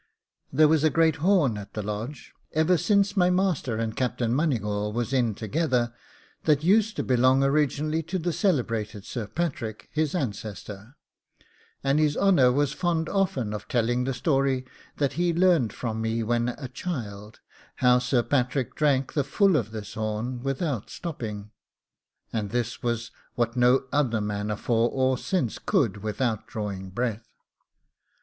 There was a great horn at the Lodge, ever since my master and Captain Moneygawl was in together, that used to belong originally to the celebrated Sir Patrick, his ancestor; and his honour was fond often of telling the story that he learned from me when a child, how Sir Patrick drank the full of this horn without stopping, and this was what no other man afore or since could without drawing breath.